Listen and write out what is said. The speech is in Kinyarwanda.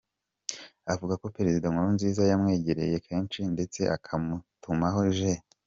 Avuga ko Perezida Nkurunziza yamwegereye kenshi ndetse akamutumaho Gen.